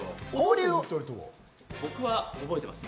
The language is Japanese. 僕は覚えてます。